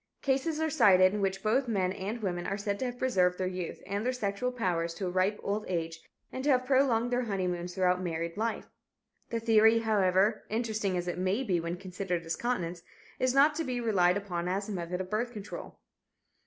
Cases are cited in which both men and women are said to have preserved their youth and their sexual powers to a ripe old age, and to have prolonged their honeymoons throughout married life. The theory, however, interesting as it may be when considered as "continence," is not to be relied upon as a method of birth control.